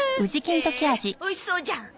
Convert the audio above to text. へえおいしそうじゃん。